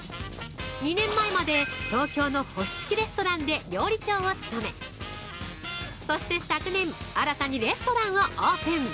２年前まで東京の星付きレストランで料理長を務め、そして昨年、新たにレストランをオープン！